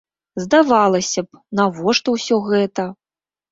Здавалася б, навошта ўсё гэта?